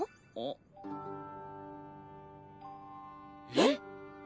えっ？